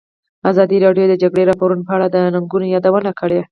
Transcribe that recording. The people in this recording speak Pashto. ازادي راډیو د د جګړې راپورونه په اړه د ننګونو یادونه کړې.